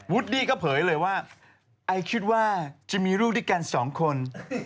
ดี้ก็เผยเลยว่าไอคิดว่าจะมีลูกด้วยกันสองคน